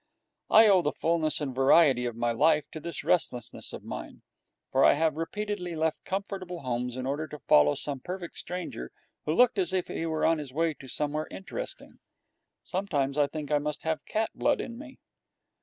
I owe the fullness and variety of my life to this restlessness of mine, for I have repeatedly left comfortable homes in order to follow some perfect stranger who looked as if he were on his way to somewhere interesting. Sometimes I think I must have cat blood in me.